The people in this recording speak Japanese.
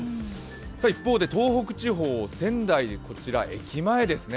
一方で東北地方、仙台駅前ですね。